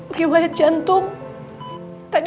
oke wait sebentar